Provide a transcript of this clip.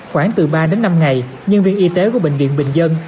khoảng từ ba đến năm ngày nhân viên y tế của bệnh viện bình dân